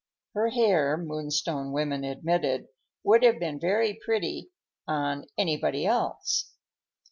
Her hair, Moonstone women admitted, would have been very pretty "on anybody else."